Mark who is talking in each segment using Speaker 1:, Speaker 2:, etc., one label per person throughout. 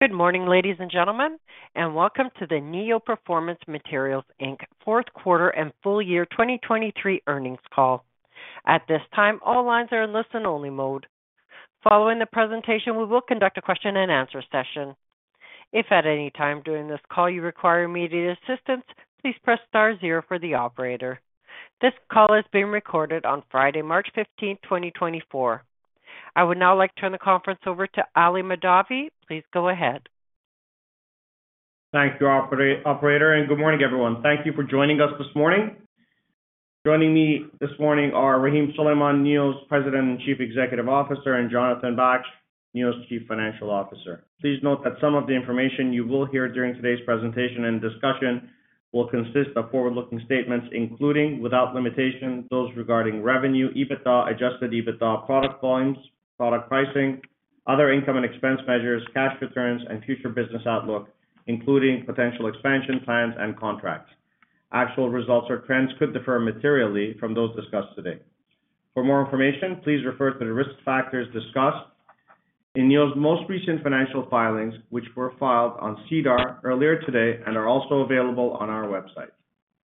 Speaker 1: Good morning, ladies and gentlemen, and welcome to the Neo Performance Materials, Inc. fourth quarter and full year 2023 earnings call. At this time, all lines are in listen-only mode. Following the presentation, we will conduct a question-and-answer session. If at any time during this call you require immediate assistance, please press star zero for the operator. This call is being recorded on Friday, March 15, 2024. I would now like to turn the conference over to Ali Mahdavi. Please go ahead.
Speaker 2: Thank you, operator, and good morning, everyone. Thank you for joining us this morning. Joining me this morning are Rahim Suleman, Neo's President and Chief Executive Officer, and Jonathan Baksh, Neo's Chief Financial Officer. Please note that some of the information you will hear during today's presentation and discussion will consist of forward-looking statements, including, without limitation, those regarding revenue, EBITDA, Adjusted EBITDA, product volumes, product pricing, other income and expense measures, cash returns, and future business outlook, including potential expansion plans and contracts. Actual results or trends could differ materially from those discussed today. For more information, please refer to the risk factors discussed in Neo's most recent financial filings, which were filed on SEDAR+ earlier today and are also available on our website.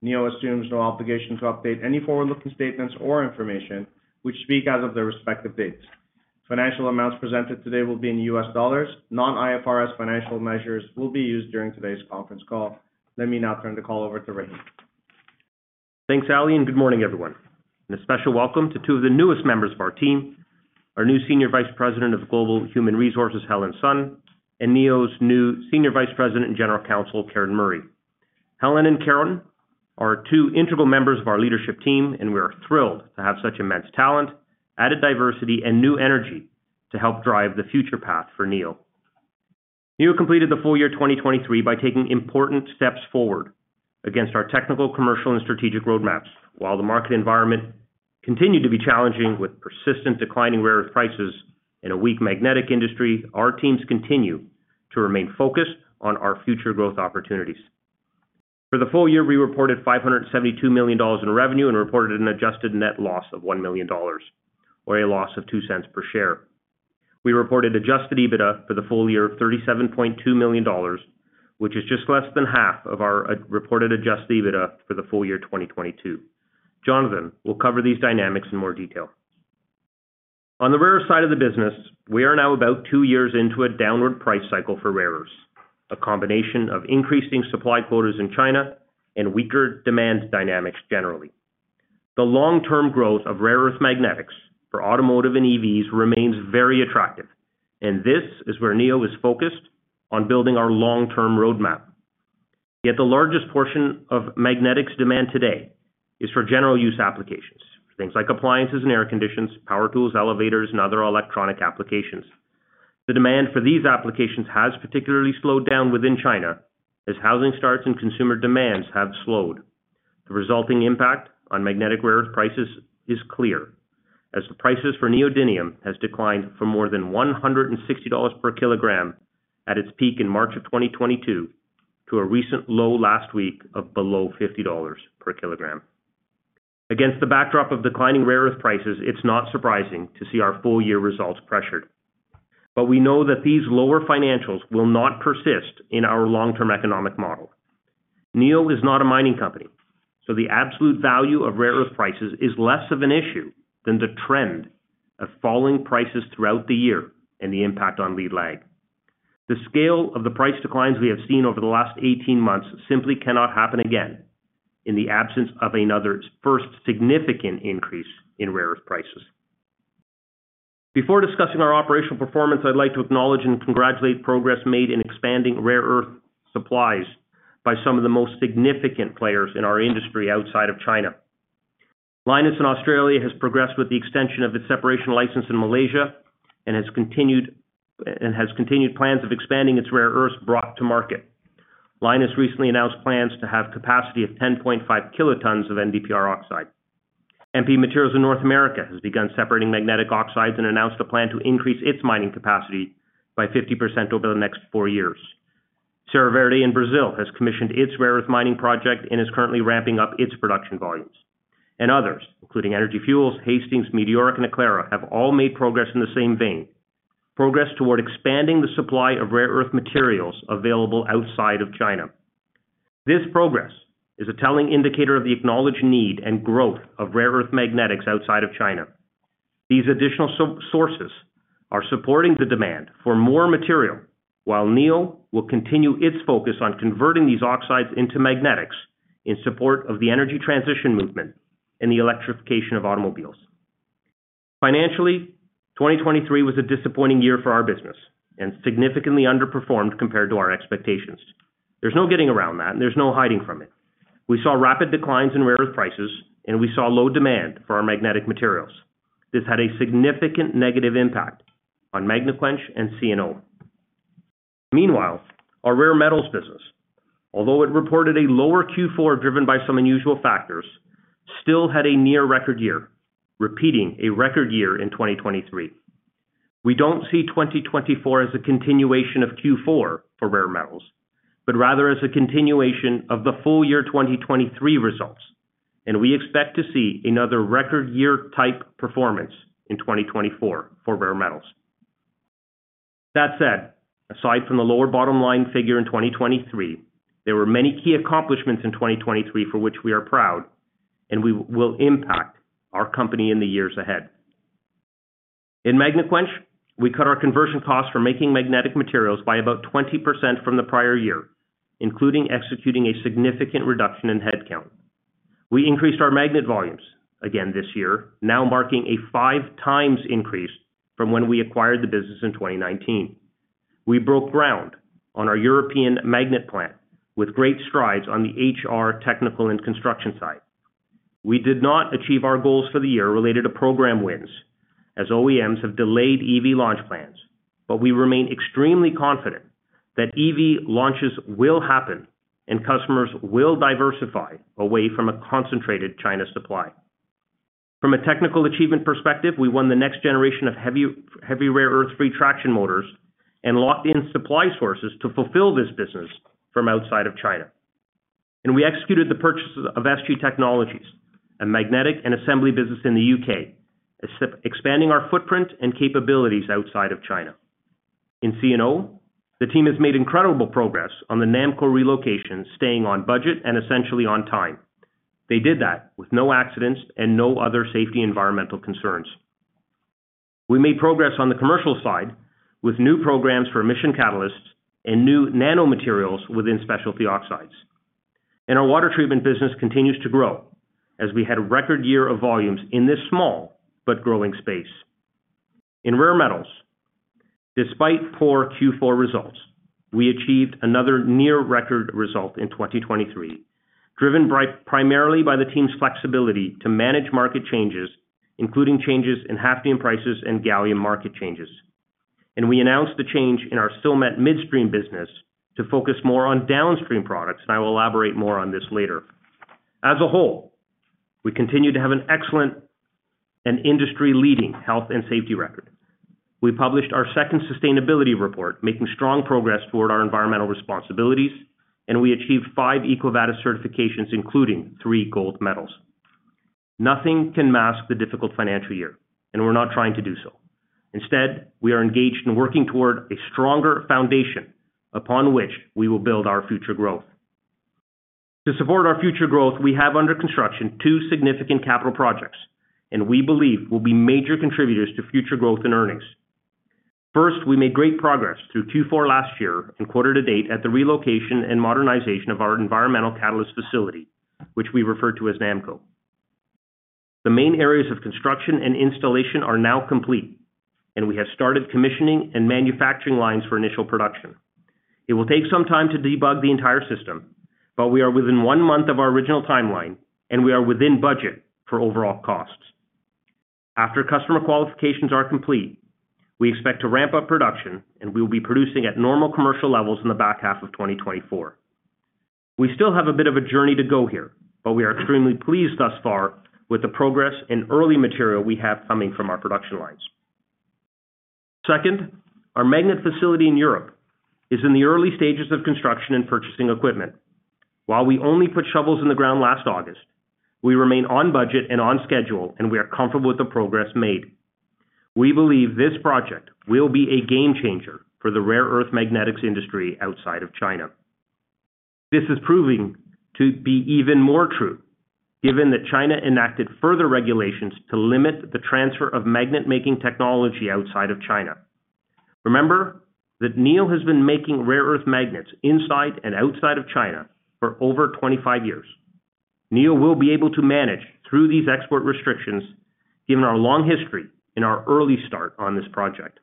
Speaker 2: Neo assumes no obligation to update any forward-looking statements or information which speak as of their respective dates. Financial amounts presented today will be in U.S. dollars. Non-IFRS financial measures will be used during today's conference call. Let me now turn the call over to Rahim.
Speaker 3: Thanks, Ali, and good morning, everyone. A special welcome to two of the newest members of our team, our new Senior Vice President of Global Human Resources, Helen Sun, and Neo's new Senior Vice President and General Counsel, Karen Murray. Helen and Karen are two integral members of our leadership team, and we are thrilled to have such immense talent, added diversity, and new energy to help drive the future path for Neo. Neo completed the full year 2023 by taking important steps forward against our technical, commercial, and strategic roadmaps. While the market environment continued to be challenging with persistent declining rare earth prices in a weak magnetic industry, our teams continue to remain focused on our future growth opportunities. For the full year, we reported $572 million in revenue and reported an Adjusted Net Loss of $1 million, or a loss of $0.02 per share. We reported adjusted EBITDA for the full year of $37.2 million, which is just less than half of our reported adjusted EBITDA for the full year 2022. Jonathan will cover these dynamics in more detail. On the rare earth side of the business, we are now about two years into a downward price cycle for rare earths, a combination of increasing supply quotas in China and weaker demand dynamics generally. The long-term growth of rare earth magnetics for automotive and EVs remains very attractive, and this is where Neo is focused on building our long-term roadmap. Yet the largest portion of magnetics demand today is for general-use applications, things like appliances and air conditioners, power tools, elevators, and other electronic applications. The demand for these applications has particularly slowed down within China as housing starts and consumer demands have slowed. The resulting impact on magnetic rare earth prices is clear, as the prices for neodymium have declined from more than $160 per kilogram at its peak in March of 2022 to a recent low last week of below $50 per kilogram. Against the backdrop of declining rare earth prices, it's not surprising to see our full-year results pressured. But we know that these lower financials will not persist in our long-term economic model. Neo is not a mining company, so the absolute value of rare earth prices is less of an issue than the trend of falling prices throughout the year and the impact on lead lag. The scale of the price declines we have seen over the last 18 months simply cannot happen again in the absence of another first significant increase in rare earth prices. Before discussing our operational performance, I'd like to acknowledge and congratulate progress made in expanding rare earth supplies by some of the most significant players in our industry outside of China. Lynas in Australia has progressed with the extension of its separation license in Malaysia and has continued plans of expanding its rare earths brought to market. Lynas recently announced plans to have capacity of 10.5 kilotons of NdPr oxide. MP Materials in North America has begun separating magnetic oxides and announced a plan to increase its mining capacity by 50% over the next four years. Serra Verde in Brazil has commissioned its rare earth mining project and is currently ramping up its production volumes. Others, including Energy Fuels, Hastings, Meteoric, and Aclara, have all made progress in the same vein, progress toward expanding the supply of rare earth materials available outside of China. This progress is a telling indicator of the acknowledged need and growth of rare earth magnetics outside of China. These additional sources are supporting the demand for more material, while Neo will continue its focus on converting these oxides into magnetics in support of the energy transition movement and the electrification of automobiles. Financially, 2023 was a disappointing year for our business and significantly underperformed compared to our expectations. There's no getting around that, and there's no hiding from it. We saw rapid declines in rare earth prices, and we saw low demand for our magnetic materials. This had a significant negative impact on Magnequench and C&O. Meanwhile, our rare metals business, although it reported a lower Q4 driven by some unusual factors, still had a near-record year, repeating a record year in 2023. We don't see 2024 as a continuation of Q4 for rare metals, but rather as a continuation of the full year 2023 results, and we expect to see another record-year type performance in 2024 for rare metals. That said, aside from the lower bottom line figure in 2023, there were many key accomplishments in 2023 for which we are proud, and we will impact our company in the years ahead. In Magnequench, we cut our conversion costs for making magnetic materials by about 20% from the prior year, including executing a significant reduction in headcount. We increased our magnet volumes again this year, now marking a five-times increase from when we acquired the business in 2019. We broke ground on our European magnet plant with great strides on the HR, technical, and construction side. We did not achieve our goals for the year related to program wins, as OEMs have delayed EV launch plans, but we remain extremely confident that EV launches will happen and customers will diversify away from a concentrated China supply. From a technical achievement perspective, we won the next generation of heavy rare earth-free traction motors and locked in supply sources to fulfill this business from outside of China. We executed the purchase of SG Technologies, a magnetic and assembly business in the U.K., expanding our footprint and capabilities outside of China. In C&O, the team has made incredible progress on the NAMCO relocation, staying on budget and essentially on time. They did that with no accidents and no other safety environmental concerns. We made progress on the commercial side with new programs for emission catalysts and new nanomaterials within specialty oxides. Our water treatment business continues to grow as we had a record year of volumes in this small but growing space. In rare metals, despite poor Q4 results, we achieved another near-record result in 2023, driven primarily by the team's flexibility to manage market changes, including changes in hafnium prices and gallium market changes. We announced the change in our Silmet midstream business to focus more on downstream products, and I will elaborate more on this later. As a whole, we continue to have an excellent and industry-leading health and safety record. We published our second sustainability report, making strong progress toward our environmental responsibilities, and we achieved five EcoVadis certifications, including three gold medals. Nothing can mask the difficult financial year, and we're not trying to do so. Instead, we are engaged in working toward a stronger foundation upon which we will build our future growth. To support our future growth, we have under construction two significant capital projects, and we believe will be major contributors to future growth and earnings. First, we made great progress through Q4 last year and quarter to date at the relocation and modernization of our environmental catalyst facility, which we refer to as NAMCO. The main areas of construction and installation are now complete, and we have started commissioning and manufacturing lines for initial production. It will take some time to debug the entire system, but we are within one month of our original timeline, and we are within budget for overall costs. After customer qualifications are complete, we expect to ramp up production, and we will be producing at normal commercial levels in the back half of 2024. We still have a bit of a journey to go here, but we are extremely pleased thus far with the progress and early material we have coming from our production lines. Second, our magnet facility in Europe is in the early stages of construction and purchasing equipment. While we only put shovels in the ground last August, we remain on budget and on schedule, and we are comfortable with the progress made. We believe this project will be a game changer for the rare earth magnetics industry outside of China. This is proving to be even more true given that China enacted further regulations to limit the transfer of magnet-making technology outside of China. Remember that Neo has been making rare earth magnets inside and outside of China for over 25 years. Neo will be able to manage through these export restrictions given our long history and our early start on this project.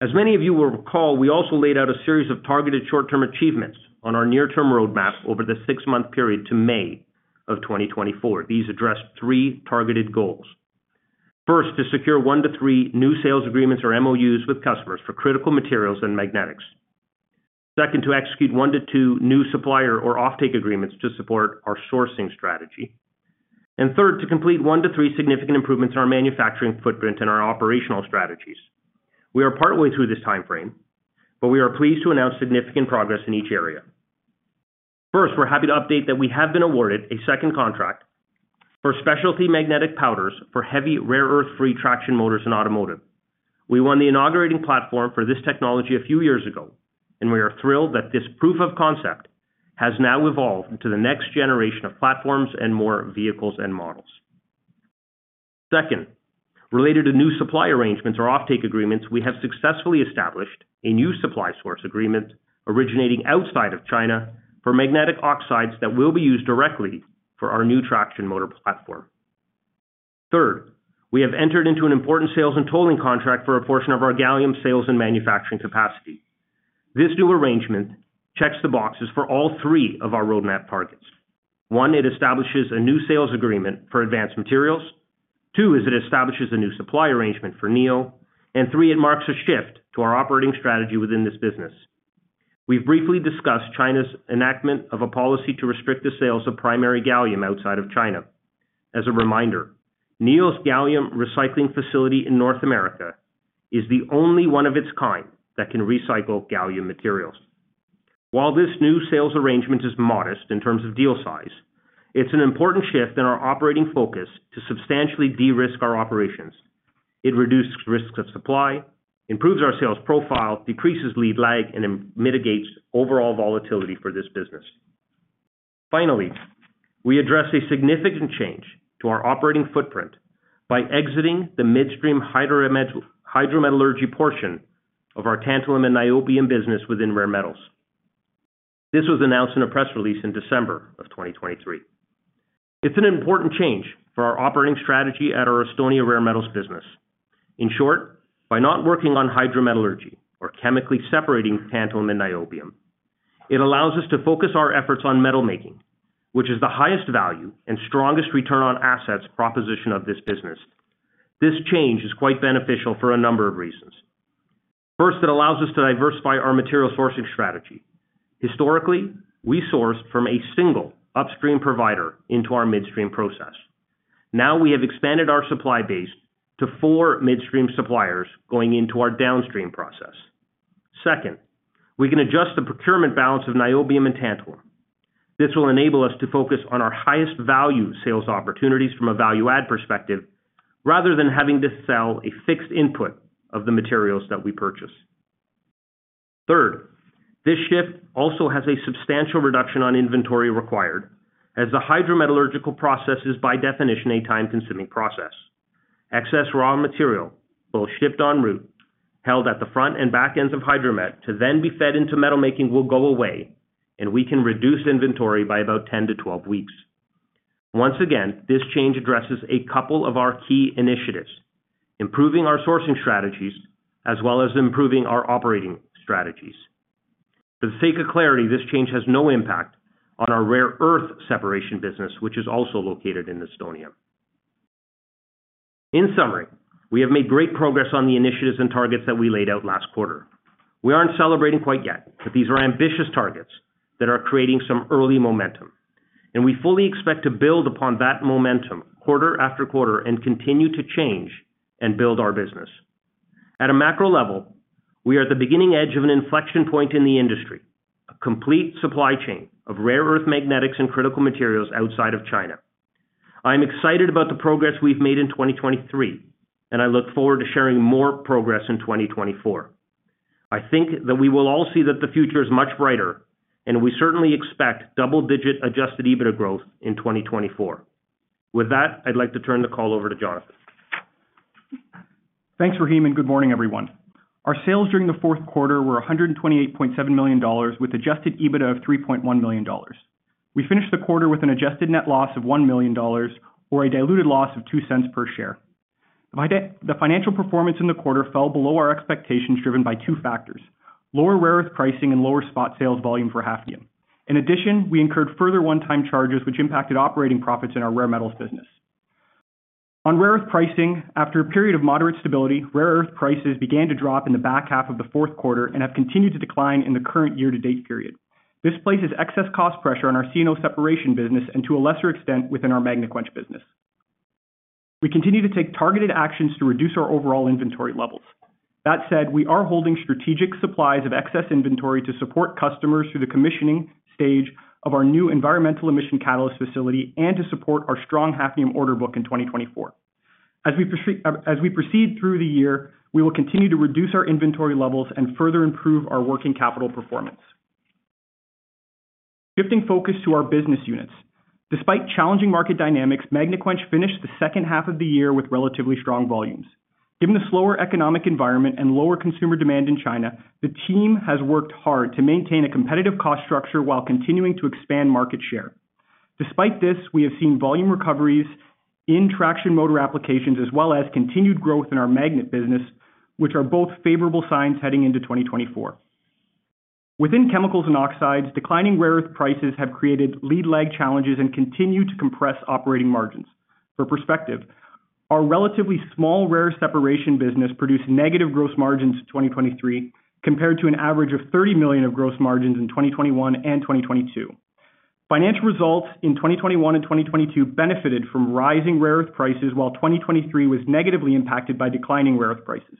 Speaker 3: As many of you will recall, we also laid out a series of targeted short-term achievements on our near-term roadmap over the six-month period to May of 2024. These addressed three targeted goals. First, to secure one to three new sales agreements or MOUs with customers for critical materials and magnetics. Second, to execute one to two new supplier or offtake agreements to support our sourcing strategy. And third, to complete one to three significant improvements in our manufacturing footprint and our operational strategies. We are partway through this timeframe, but we are pleased to announce significant progress in each area. First, we're happy to update that we have been awarded a second contract for specialty magnetic powders for heavy rare earth-free traction motors in automotive. We won the inaugurating platform for this technology a few years ago, and we are thrilled that this proof of concept has now evolved into the next generation of platforms and more vehicles and models. Second, related to new supply arrangements or offtake agreements, we have successfully established a new supply source agreement originating outside of China for magnetic oxides that will be used directly for our new traction motor platform. Third, we have entered into an important sales and tolling contract for a portion of our gallium sales and manufacturing capacity. This new arrangement checks the boxes for all three of our roadmap targets. One, it establishes a new sales agreement for advanced materials. Two, it establishes a new supply arrangement for Neo. And three, it marks a shift to our operating strategy within this business. We've briefly discussed China's enactment of a policy to restrict the sales of primary gallium outside of China. As a reminder, Neo's gallium recycling facility in North America is the only one of its kind that can recycle gallium materials. While this new sales arrangement is modest in terms of deal size, it's an important shift in our operating focus to substantially de-risk our operations. It reduces risks of supply, improves our sales profile, decreases lead lag, and mitigates overall volatility for this business. Finally, we address a significant change to our operating footprint by exiting the midstream hydrometallurgy portion of our tantalum and niobium business within rare metals. This was announced in a press release in December of 2023. It's an important change for our operating strategy at our Estonia rare metals business. In short, by not working on hydrometallurgy or chemically separating tantalum and niobium, it allows us to focus our efforts on metal-making, which is the highest value and strongest return on assets proposition of this business. This change is quite beneficial for a number of reasons. First, it allows us to diversify our material sourcing strategy. Historically, we sourced from a single upstream provider into our midstream process. Now we have expanded our supply base to four midstream suppliers going into our downstream process. Second, we can adjust the procurement balance of niobium and tantalum. This will enable us to focus on our highest value sales opportunities from a value-add perspective rather than having to sell a fixed input of the materials that we purchase. Third, this shift also has a substantial reduction on inventory required as the hydrometallurgical process is by definition a time-consuming process. Excess raw material, both shipped en route, held at the front and back ends of Hydromet to then be fed into metal-making, will go away, and we can reduce inventory by about 10-12 weeks. Once again, this change addresses a couple of our key initiatives, improving our sourcing strategies as well as improving our operating strategies. For the sake of clarity, this change has no impact on our rare earth separation business, which is also located in Estonia. In summary, we have made great progress on the initiatives and targets that we laid out last quarter. We aren't celebrating quite yet, but these are ambitious targets that are creating some early momentum. We fully expect to build upon that momentum quarter after quarter and continue to change and build our business. At a macro level, we are at the beginning edge of an inflection point in the industry, a complete supply chain of rare earth magnetics and critical materials outside of China. I am excited about the progress we've made in 2023, and I look forward to sharing more progress in 2024. I think that we will all see that the future is much brighter, and we certainly expect double-digit Adjusted EBITDA growth in 2024. With that, I'd like to turn the call over to Jonathan.
Speaker 4: Thanks, Rahim, and good morning, everyone. Our sales during the fourth quarter were $128.7 million with Adjusted EBITDA of $3.1 million. We finished the quarter with an Adjusted Net Loss of $1 million or a diluted loss of $0.02 per share. The financial performance in the quarter fell below our expectations driven by two factors: lower rare earth pricing and lower spot sales volume for hafnium. In addition, we incurred further one-time charges, which impacted operating profits in our rare metals business. On rare earth pricing, after a period of moderate stability, rare earth prices began to drop in the back half of the fourth quarter and have continued to decline in the current year-to-date period. This places excess cost pressure on our C&O separation business and, to a lesser extent, within our MagneQuench business. We continue to take targeted actions to reduce our overall inventory levels. That said, we are holding strategic supplies of excess inventory to support customers through the commissioning stage of our new environmental emission catalyst facility and to support our strong hafnium order book in 2024. As we proceed through the year, we will continue to reduce our inventory levels and further improve our working capital performance. Shifting focus to our business units. Despite challenging market dynamics, Magnequench finished the second half of the year with relatively strong volumes. Given the slower economic environment and lower consumer demand in China, the team has worked hard to maintain a competitive cost structure while continuing to expand market share. Despite this, we have seen volume recoveries in traction motor applications as well as continued growth in our magnet business, which are both favorable signs heading into 2024. Within chemicals and oxides, declining rare earth prices have created lead lag challenges and continue to compress operating margins. For perspective, our relatively small rare separation business produced negative gross margins in 2023 compared to an average of $30 million of gross margins in 2021 and 2022. Financial results in 2021 and 2022 benefited from rising rare earth prices while 2023 was negatively impacted by declining rare earth prices.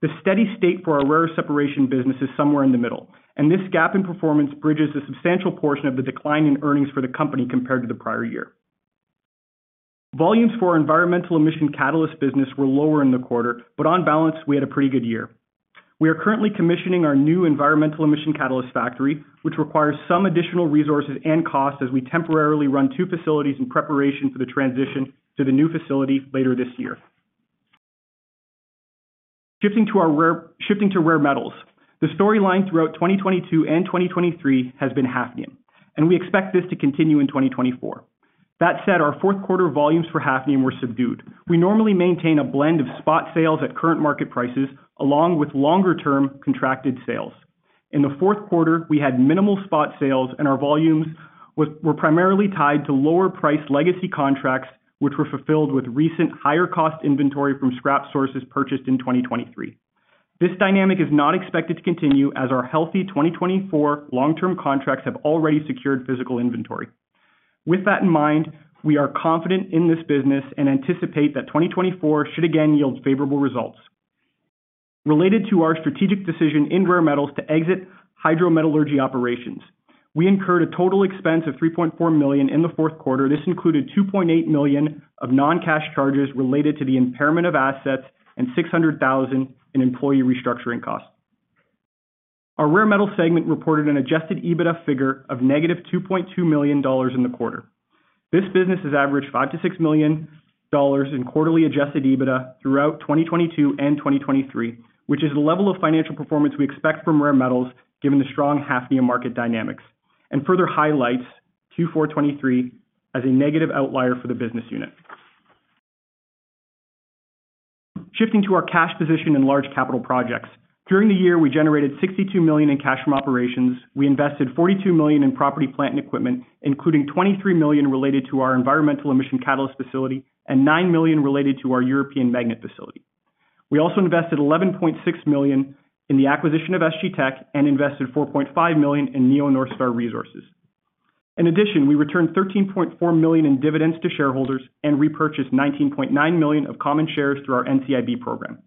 Speaker 4: The steady state for our rare separation business is somewhere in the middle, and this gap in performance bridges a substantial portion of the decline in earnings for the company compared to the prior year. Volumes for our environmental emission catalyst business were lower in the quarter, but on balance, we had a pretty good year. We are currently commissioning our new emissions catalyst control plant, which requires some additional resources and cost as we temporarily run two facilities in preparation for the transition to the new facility later this year. Shifting to rare metals, the storyline throughout 2022 and 2023 has been hafnium, and we expect this to continue in 2024. That said, our fourth quarter volumes for hafnium were subdued. We normally maintain a blend of spot sales at current market prices along with longer-term contracted sales. In the fourth quarter, we had minimal spot sales, and our volumes were primarily tied to lower-priced legacy contracts, which were fulfilled with recent higher-cost inventory from scrap sources purchased in 2023. This dynamic is not expected to continue as our healthy 2024 long-term contracts have already secured physical inventory. With that in mind, we are confident in this business and anticipate that 2024 should again yield favorable results. Related to our strategic decision in rare metals to exit hydrometallurgy operations, we incurred a total expense of $3.4 million in the fourth quarter. This included $2.8 million of non-cash charges related to the impairment of assets and $600,000 in employee restructuring costs. Our rare metal segment reported an adjusted EBITDA figure of -$2.2 million in the quarter. This business has averaged $5 million-$6 million in quarterly adjusted EBITDA throughout 2022 and 2023, which is the level of financial performance we expect from rare metals given the strong hafnium market dynamics and further highlights Q4/2023 as a negative outlier for the business unit. Shifting to our cash position in large capital projects. During the year, we generated $62 million in cash from operations. We invested $42 million in property, plant, and equipment, including $23 million related to our environmental emission catalyst facility and $9 million related to our European magnet facility. We also invested $11.6 million in the acquisition of SG Tech and invested $4.5 million in Neo North Star Resources. In addition, we returned $13.4 million in dividends to shareholders and repurchased $19.9 million of common shares through our NCIB program.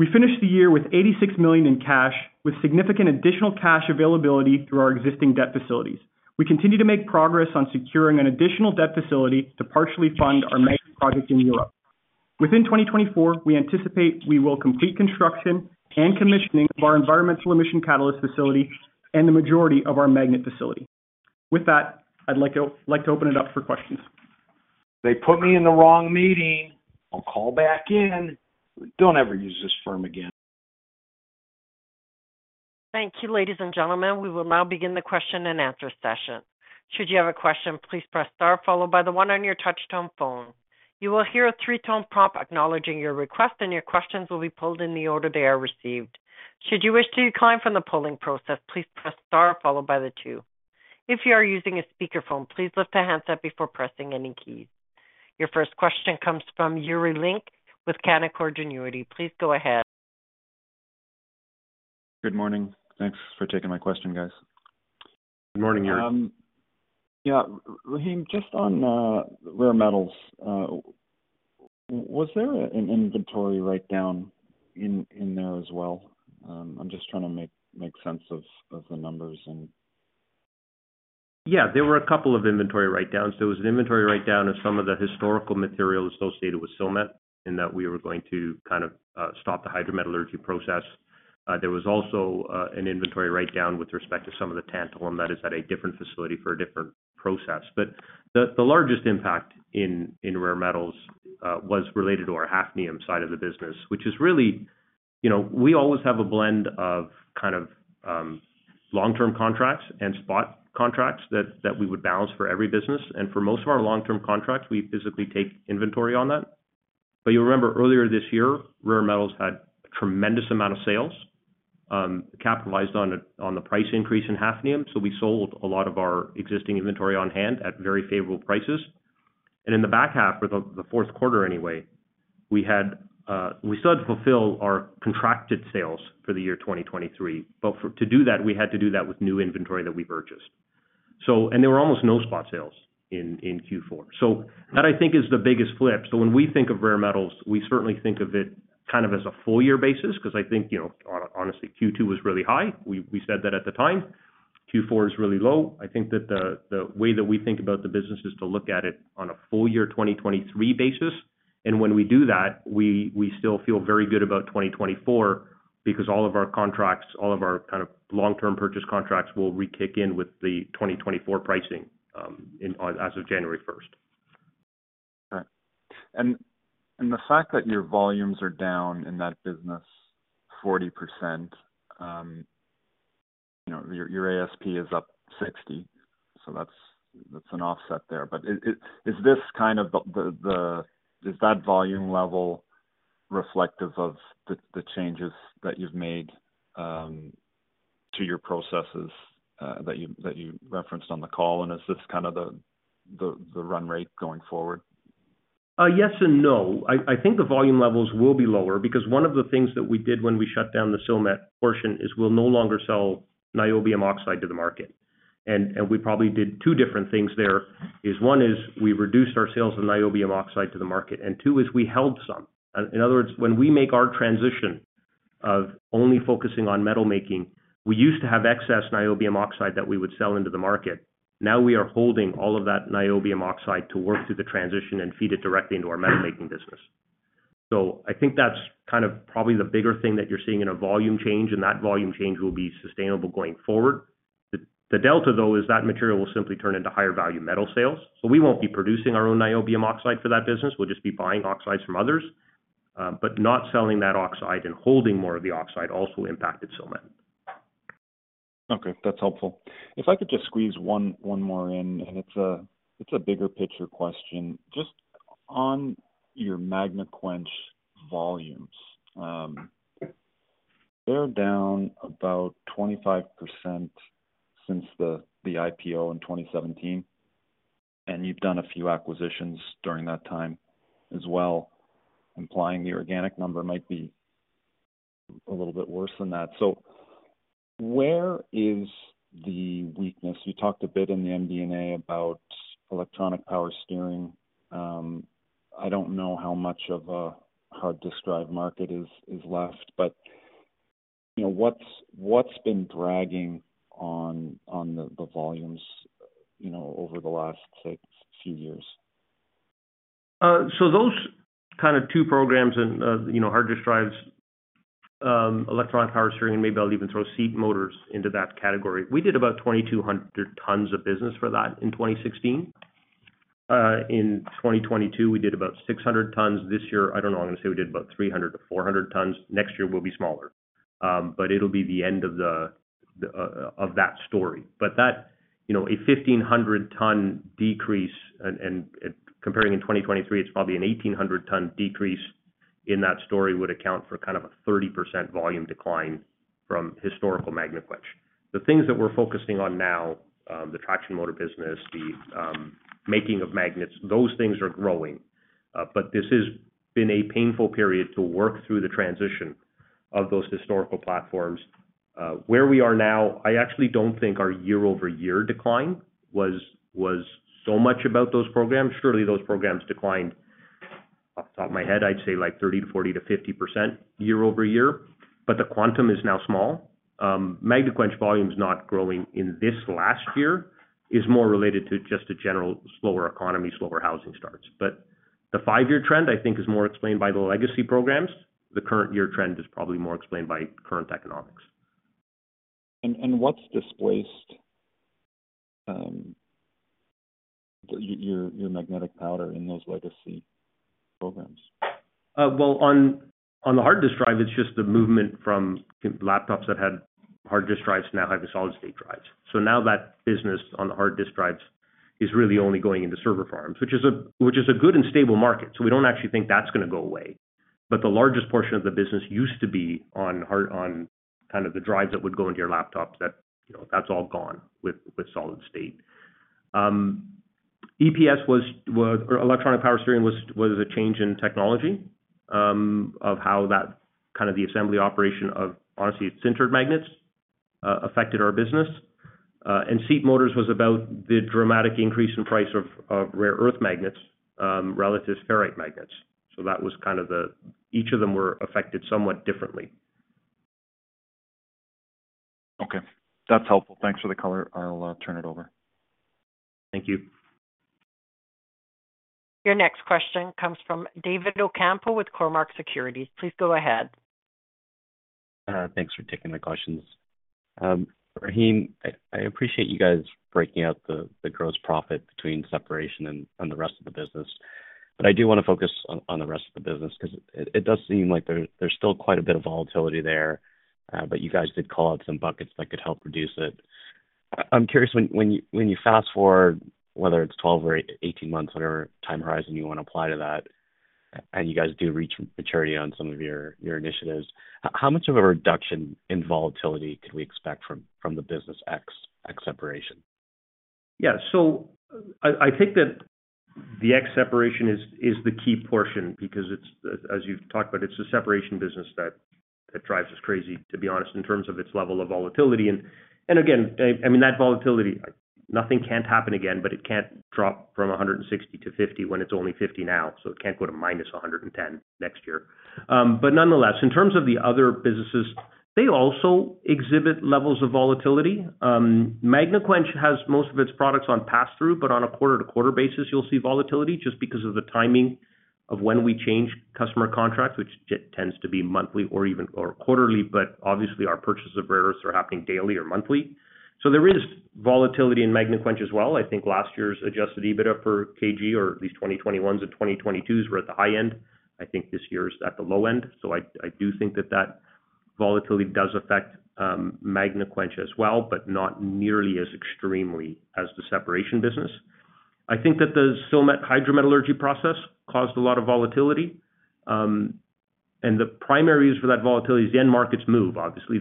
Speaker 4: We finished the year with $86 million in cash, with significant additional cash availability through our existing debt facilities. We continue to make progress on securing an additional debt facility to partially fund our magnet project in Europe. Within 2024, we anticipate we will complete construction and commissioning of our environmental emission catalyst facility and the majority of our magnet facility. With that, I'd like to open it up for questions. They put me in the wrong meeting. I'll call back in. Don't ever use this firm again.
Speaker 1: Thank you, ladies and gentlemen. We will now begin the question and answer session. Should you have a question, please press star followed by the one on your touch-tone phone. You will hear a three-tone prompt acknowledging your request, and your questions will be pulled in the order they are received. Should you wish to decline from the polling process, please press star followed by the two. If you are using a speakerphone, please lift a handset before pressing any keys. Your first question comes from Yuri Lynk with Canaccord Genuity. Please go ahead.
Speaker 5: Good morning. Thanks for taking my question, guys.
Speaker 3: Good morning, Yuri.
Speaker 5: Yeah, Rahim, just on rare metals, was there an inventory write-down in there as well? I'm just trying to make sense of the numbers and.
Speaker 3: Yeah, there were a couple of inventory write-downs. There was an inventory write-down of some of the historical material associated with Silmet in that we were going to kind of stop the hydrometallurgy process. There was also an inventory write-down with respect to some of the tantalum, that is, at a different facility for a different process. But the largest impact in rare metals was related to our hafnium side of the business, which is really we always have a blend of kind of long-term contracts and spot contracts that we would balance for every business. And for most of our long-term contracts, we physically take inventory on that. But you'll remember earlier this year, rare metals had a tremendous amount of sales, capitalized on the price increase in hafnium. So we sold a lot of our existing inventory on hand at very favorable prices. In the back half of the fourth quarter, anyway, we still had to fulfill our contracted sales for the year 2023. To do that, we had to do that with new inventory that we purchased. There were almost no spot sales in Q4. That, I think, is the biggest flip. When we think of rare metals, we certainly think of it kind of as a full-year basis because I think, honestly, Q2 was really high. We said that at the time. Q4 is really low. I think that the way that we think about the business is to look at it on a full-year 2023 basis. When we do that, we still feel very good about 2024 because all of our contracts, all of our kind of long-term purchase contracts will re-kick in with the 2024 pricing as of January 1st.
Speaker 5: Right. And the fact that your volumes are down in that business 40%, your ASP is up 60%. So that's an offset there. But is that volume level reflective of the changes that you've made to your processes that you referenced on the call? And is this kind of the run rate going forward?
Speaker 3: Yes and no. I think the volume levels will be lower because one of the things that we did when we shut down the Silmet portion is we'll no longer sell niobium oxide to the market. And we probably did two different things there. One is we reduced our sales of niobium oxide to the market. And two is we held some. In other words, when we make our transition of only focusing on metal-making, we used to have excess niobium oxide that we would sell into the market. Now we are holding all of that niobium oxide to work through the transition and feed it directly into our metal-making business. So I think that's kind of probably the bigger thing that you're seeing in a volume change, and that volume change will be sustainable going forward. The delta, though, is that material will simply turn into higher-value metal sales. We won't be producing our own niobium oxide for that business. We'll just be buying oxides from others. Not selling that oxide and holding more of the oxide also impacted Silmet.
Speaker 5: Okay. That's helpful. If I could just squeeze one more in, and it's a bigger picture question. Just on your Magnequench volumes, they're down about 25% since the IPO in 2017. And you've done a few acquisitions during that time as well, implying the organic number might be a little bit worse than that. So where is the weakness? You talked a bit in the MD&A about electronic power steering. I don't know how much of a hard-decline market is left, but what's been dragging on the volumes over the last few years?
Speaker 3: So those kind of two programs and hard disk drives, electronic power steering, and maybe I'll even throw seat motors into that category, we did about 2,200 tons of business for that in 2016. In 2022, we did about 600 tons. This year, I don't know. I'm going to say we did about 300-400 tons. Next year will be smaller, but it'll be the end of that story. But a 1,500-ton decrease, and comparing in 2023, it's probably an 1,800-ton decrease in that story would account for kind of a 30% volume decline from historical Magnequench. The things that we're focusing on now, the traction motor business, the making of magnets, those things are growing. But this has been a painful period to work through the transition of those historical platforms. Where we are now, I actually don't think our year-over-year decline was so much about those programs. Surely those programs declined, off the top of my head, I'd say like 30%-50% year-over-year. But the quantum is now small. Magnequench volume is not growing in this last year. It's more related to just a general slower economy, slower housing starts. But the five-year trend, I think, is more explained by the legacy programs. The current year trend is probably more explained by current economics.
Speaker 5: What's displaced your magnetic powder in those legacy programs?
Speaker 3: Well, on the hard disk drive, it's just the movement from laptops that had hard disk drives to now have solid-state drives. So now that business on the hard disk drives is really only going into server farms, which is a good and stable market. So we don't actually think that's going to go away. But the largest portion of the business used to be on kind of the drives that would go into your laptops. That's all gone with solid state. EPS was electronic power steering, was a change in technology of how that kind of the assembly operation of, honestly, sintered magnets affected our business. And seat motors was about the dramatic increase in price of rare earth magnets relative to ferrite magnets. So that was kind of the each of them were affected somewhat differently.
Speaker 5: Okay. That's helpful. Thanks for the color. I'll turn it over.
Speaker 3: Thank you.
Speaker 1: Your next question comes from David Ocampo with Cormark Securities. Please go ahead.
Speaker 6: Thanks for taking my questions. Rahim, I appreciate you guys breaking out the gross profit between separation and the rest of the business. But I do want to focus on the rest of the business because it does seem like there's still quite a bit of volatility there. But you guys did call out some buckets that could help reduce it. I'm curious, when you fast-forward, whether it's 12 or 18 months, whatever time horizon you want to apply to that, and you guys do reach maturity on some of your initiatives, how much of a reduction in volatility could we expect from the business ex separation?
Speaker 3: Yeah. So I think that the RE separation is the key portion because, as you've talked about, it's a separation business that drives us crazy, to be honest, in terms of its level of volatility. And again, I mean, that volatility, nothing can't happen again, but it can't drop from $160-$50 when it's only $50 now. So it can't go to -$110 next year. But nonetheless, in terms of the other businesses, they also exhibit levels of volatility. Magnequench has most of its products on pass-through, but on a quarter-to-quarter basis, you'll see volatility just because of the timing of when we change customer contracts, which tends to be monthly or quarterly, but obviously, our purchases of rare earths are happening daily or monthly. So there is volatility in Magnequench as well. I think last year's Adjusted EBITDA per KG, or at least 2021's and 2022's, were at the high end. I think this year's at the low end. So I do think that that volatility does affect Magnequench as well, but not nearly as extremely as the separation business. I think that the Silmet hydrometallurgy process caused a lot of volatility. And the primary reason for that volatility is the end markets move. Obviously,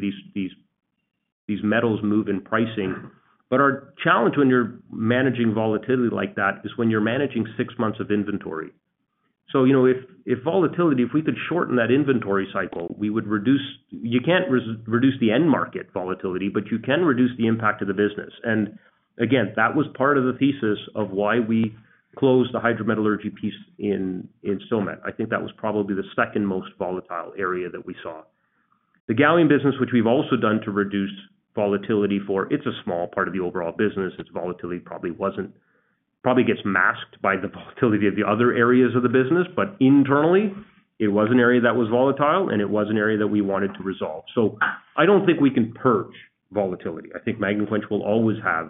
Speaker 3: these metals move in pricing. But our challenge when you're managing volatility like that is when you're managing six months of inventory. So if volatility, if we could shorten that inventory cycle, we would reduce you can't reduce the end market volatility, but you can reduce the impact of the business. And again, that was part of the thesis of why we closed the hydrometallurgy piece in Silmet. I think that was probably the second most volatile area that we saw. The gallium business, which we've also done to reduce volatility for, it's a small part of the overall business. Its volatility probably gets masked by the volatility of the other areas of the business. But internally, it was an area that was volatile, and it was an area that we wanted to resolve. So I don't think we can purge volatility. I think Magnequench will always have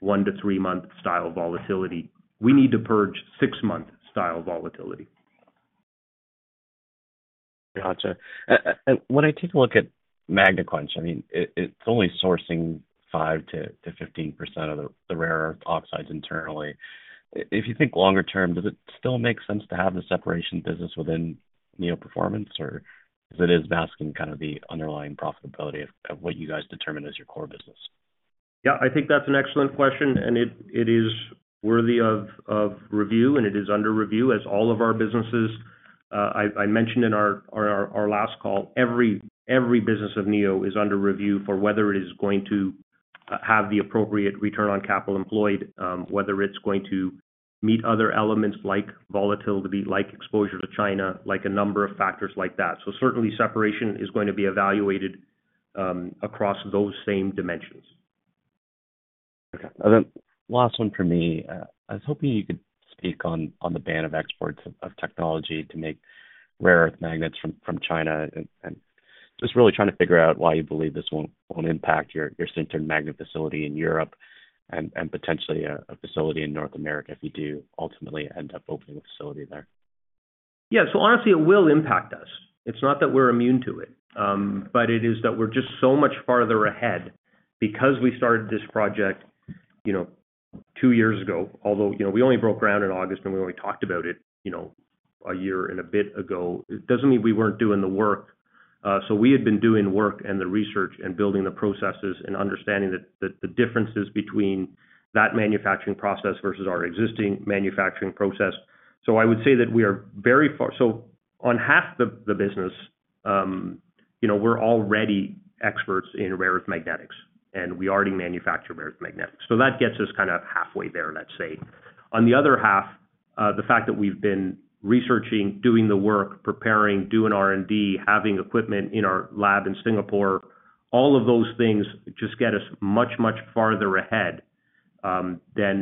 Speaker 3: one to three month style volatility. We need to purge six-month style volatility.
Speaker 6: Gotcha. And when I take a look at Magnequench, I mean, it's only sourcing 5%-15% of the rare earth oxides internally. If you think longer term, does it still make sense to have the separation business within Neo Performance, or is it masking kind of the underlying profitability of what you guys determine as your core business?
Speaker 3: Yeah, I think that's an excellent question. It is worthy of review, and it is under review as all of our businesses. I mentioned in our last call, every business of Neo is under review for whether it is going to have the appropriate return on capital employed, whether it's going to meet other elements like volatility, like exposure to China, like a number of factors like that. So certainly, separation is going to be evaluated across those same dimensions.
Speaker 6: Okay. Last one from me. I was hoping you could speak on the ban of exports of technology to make rare earth magnets from China, and just really trying to figure out why you believe this won't impact your sintered magnet facility in Europe and potentially a facility in North America if you do ultimately end up opening a facility there?
Speaker 3: Yeah. So honestly, it will impact us. It's not that we're immune to it. But it is that we're just so much farther ahead because we started this project two years ago, although we only broke ground in August, and we only talked about it a year and a bit ago. It doesn't mean we weren't doing the work. So we had been doing work and the research and building the processes and understanding the differences between that manufacturing process versus our existing manufacturing process. So I would say that we are very far along on half the business; we're already experts in rare earth magnetics, and we already manufacture rare earth magnetics. So that gets us kind of halfway there, let's say. On the other half, the fact that we've been researching, doing the work, preparing, doing R&D, having equipment in our lab in Singapore, all of those things just get us much, much farther ahead than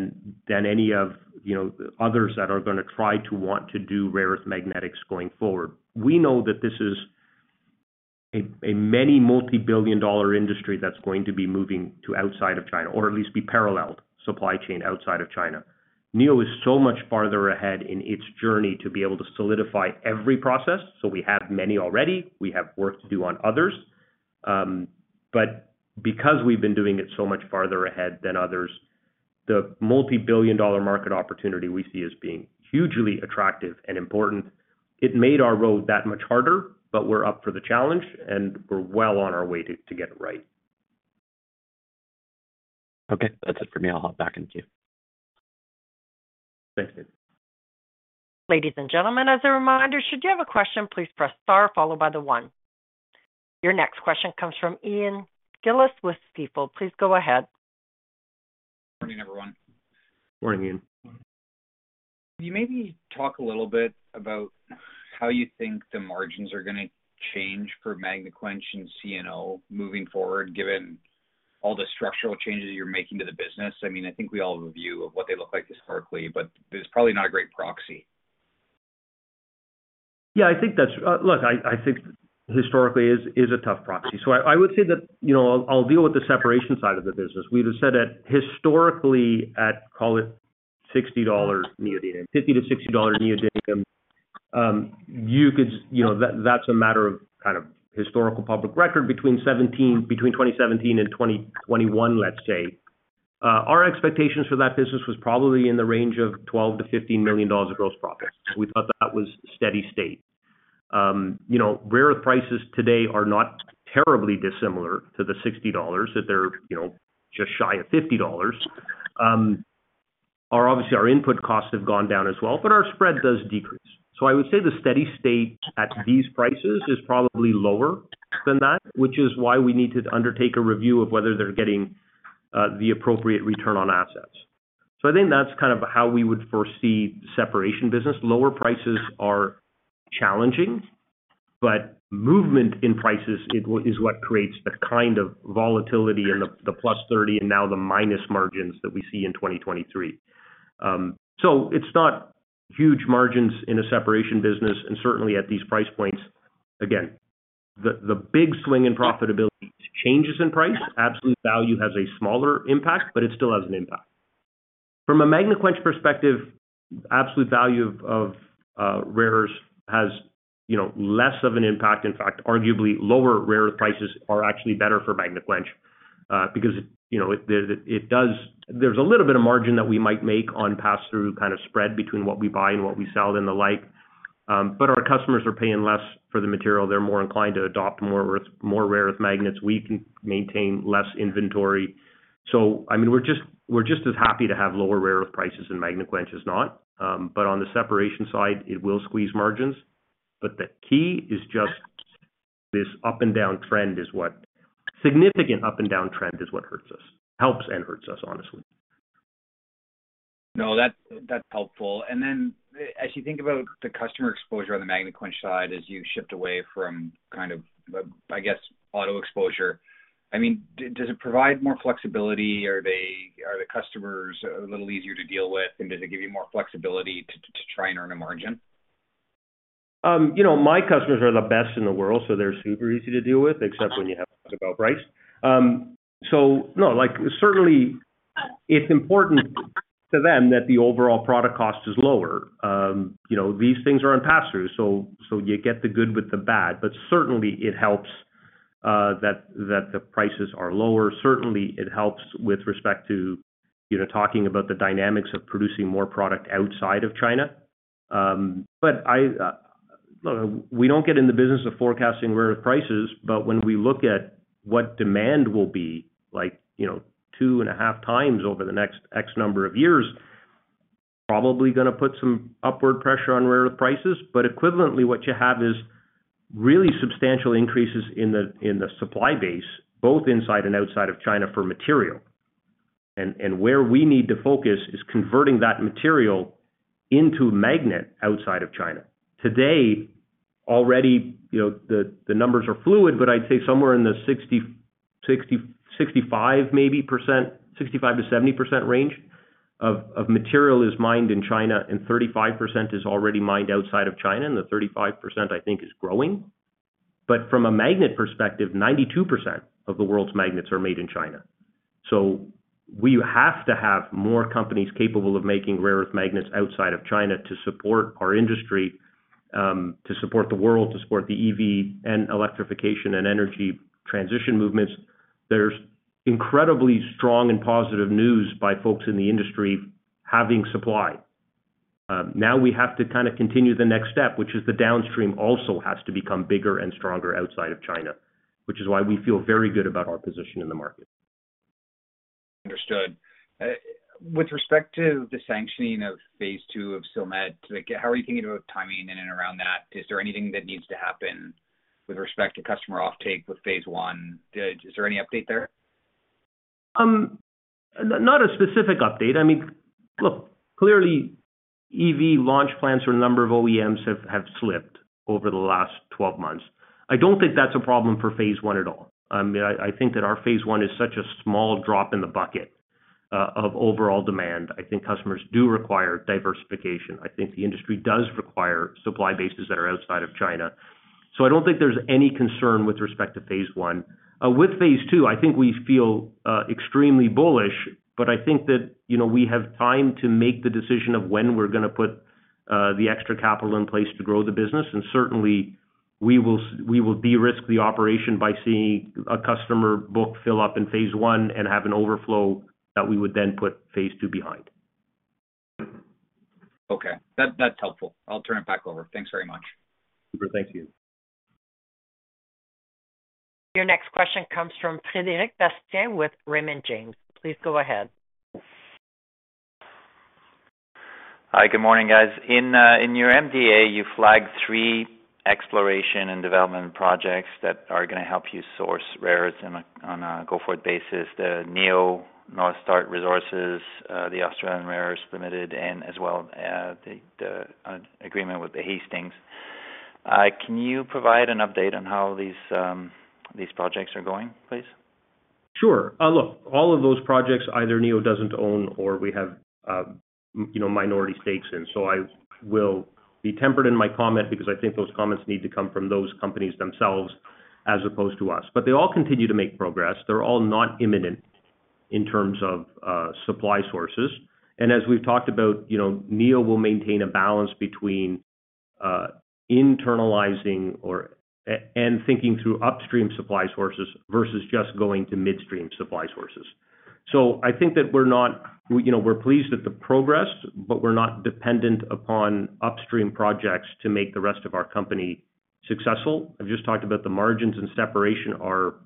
Speaker 3: any of the others that are going to try to want to do rare earth magnetics going forward. We know that this is a many multi-billion dollar industry that's going to be moving outside of China, or at least be paralleled supply chain outside of China. Neo is so much farther ahead in its journey to be able to solidify every process. So we have many already. We have work to do on others. But because we've been doing it so much farther ahead than others, the multi-billion dollar market opportunity we see as being hugely attractive and important, it made our road that much harder. But we're up for the challenge, and we're well on our way to get it right.
Speaker 6: Okay. That's it for me. I'll hop back into queue.
Speaker 3: Thanks, David.
Speaker 1: Ladies and gentlemen, as a reminder, should you have a question, please press star followed by the one. Your next question comes from Ian Gillis with Stifel. Please go ahead.
Speaker 7: Morning, everyone.
Speaker 3: Morning, Ian.
Speaker 7: Can you maybe talk a little bit about how you think the margins are going to change for Magnequench and C&O moving forward, given all the structural changes you're making to the business? I mean, I think we all have a view of what they look like historically, but it's probably not a great proxy.
Speaker 3: Yeah, I think that's look, I think historically is a tough proxy. So I would say that I'll deal with the separation side of the business. We would have said that historically, at call it $60 neodymium, $50-$60 neodymium, you could that's a matter of kind of historical public record between 2017 and 2021, let's say. Our expectations for that business was probably in the range of $12 million-$15 million of gross profit. We thought that was steady state. Rare earth prices today are not terribly dissimilar to the $60 that they're just shy of $50. Obviously, our input costs have gone down as well, but our spread does decrease. So I would say the steady state at these prices is probably lower than that, which is why we need to undertake a review of whether they're getting the appropriate return on assets. So I think that's kind of how we would foresee separation business. Lower prices are challenging, but movement in prices, it is what creates the kind of volatility and the +30% and now the minus margins that we see in 2023. So it's not huge margins in a separation business, and certainly at these price points, again, the big swing in profitability changes in price. Absolute value has a smaller impact, but it still has an impact. From a Magnequench perspective, absolute value of rare earths has less of an impact. In fact, arguably, lower rare earth prices are actually better for Magnequench because it does, there's a little bit of margin that we might make on pass-through kind of spread between what we buy and what we sell and the like. But our customers are paying less for the material. They're more inclined to adopt more rare earth magnets. We can maintain less inventory. So I mean, we're just as happy to have lower rare earth prices in Magnequench as not. But on the separation side, it will squeeze margins. But the key is just this up-and-down trend is what significantly hurts us, helps and hurts us, honestly.
Speaker 7: No, that's helpful. And then as you think about the customer exposure on the Magnequench side as you shift away from kind of, I guess, auto exposure, I mean, does it provide more flexibility? Are the customers a little easier to deal with, and does it give you more flexibility to try and earn a margin?
Speaker 3: My customers are the best in the world, so they're super easy to deal with, except when you have to talk about price. So no, certainly, it's important to them that the overall product cost is lower. These things are on pass-through, so you get the good with the bad. But certainly, it helps that the prices are lower. Certainly, it helps with respect to talking about the dynamics of producing more product outside of China. But look, we don't get in the business of forecasting rare earth prices, but when we look at what demand will be like two and a half times over the next X number of years, probably going to put some upward pressure on rare earth prices. But equivalently, what you have is really substantial increases in the supply base, both inside and outside of China for material. Where we need to focus is converting that material into magnets outside of China. Today, already, the numbers are fluid, but I'd say somewhere in the 65% maybe, 65%-70% range of material is mined in China, and 35% is already mined outside of China, and the 35%, I think, is growing. But from a magnet perspective, 92% of the world's magnets are made in China. So we have to have more companies capable of making rare earth magnets outside of China to support our industry, to support the world, to support the EV and electrification and energy transition movements. There's incredibly strong and positive news by folks in the industry having supply. Now we have to kind of continue the next step, which is the downstream also has to become bigger and stronger outside of China, which is why we feel very good about our position in the market.
Speaker 7: Understood. With respect to the sanctioning of phase two of Silmet, how are you thinking about timing in and around that? Is there anything that needs to happen with respect to customer offtake with phase one? Is there any update there?
Speaker 3: Not a specific update. I mean, look, clearly, EV launch plans for a number of OEMs have slipped over the last 12 months. I don't think that's a problem for phase one at all. I mean, I think that our phase one is such a small drop in the bucket of overall demand. I think customers do require diversification. I think the industry does require supply bases that are outside of China. So I don't think there's any concern with respect to phase one. With phase two, I think we feel extremely bullish, but I think that we have time to make the decision of when we're going to put the extra capital in place to grow the business. Certainly, we will de-risk the operation by seeing a customer book fill up in phase one and have an overflow that we would then put phase two behind.
Speaker 7: Okay. That's helpful. I'll turn it back over. Thanks very much.
Speaker 4: Super. Thank you.
Speaker 1: Your next question comes from Frédéric Bastien with Raymond James. Please go ahead.
Speaker 8: Hi. Good morning, guys. In your MDA, you flag three exploration and development projects that are going to help you source rare earths on a go-forward basis: the Neo North Star Resources, the Australian Rare Earths Limited, and as well the agreement with the Hastings. Can you provide an update on how these projects are going, please?
Speaker 3: Sure. Look, all of those projects, either Neo doesn't own or we have minority stakes in. So I will be tempered in my comment because I think those comments need to come from those companies themselves as opposed to us. But they all continue to make progress. They're all not imminent in terms of supply sources. And as we've talked about, Neo will maintain a balance between internalizing and thinking through upstream supply sources versus just going to midstream supply sources. So I think that we're pleased that they progressed, but we're not dependent upon upstream projects to make the rest of our company successful. I've just talked about the margins and separation are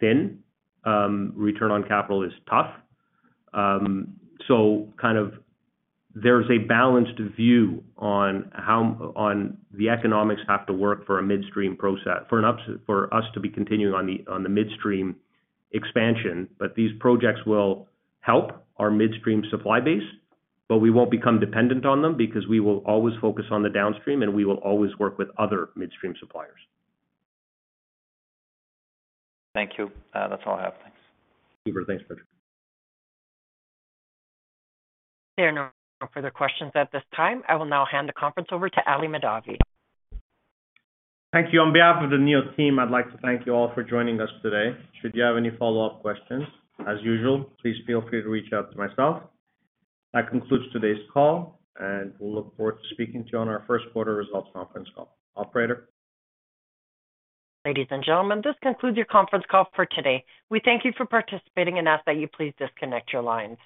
Speaker 3: thin. Return on capital is tough. So kind of there's a balanced view on how the economics have to work for a midstream process for us to be continuing on the midstream expansion. But these projects will help our midstream supply base, but we won't become dependent on them because we will always focus on the downstream, and we will always work with other midstream suppliers.
Speaker 8: Thank you. That's all I have. Thanks.
Speaker 3: Super. Thanks, Patrick.
Speaker 1: There are no further questions at this time. I will now hand the conference over to Ali Mahdavi.
Speaker 2: Thank you. On behalf of the Neo team, I'd like to thank you all for joining us today. Should you have any follow-up questions, as usual, please feel free to reach out to myself. That concludes today's call, and we'll look forward to speaking to you on our first quarter results conference call. Operator.
Speaker 1: Ladies and gentlemen, this concludes your conference call for today. We thank you for participating and ask that you please disconnect your lines.